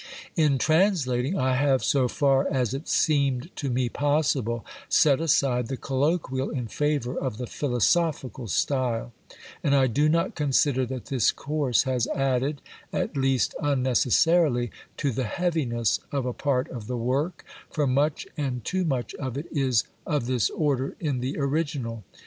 In translating I have, so far as it seemed to me possible, set aside the colloquial in favour of the philosophical style, and I do not consider that this course has added, at least unnecessarily, to the heaviness of a part of the work, for much and too much of it is of this order in the original.